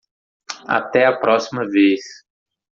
Até a próxima vez.